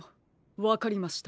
わかりました。